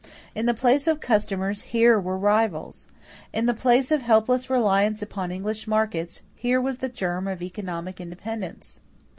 In the place of customers, here were rivals. In the place of helpless reliance upon English markets, here was the germ of economic independence.